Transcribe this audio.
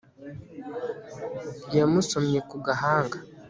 Yamusomye ku gahanga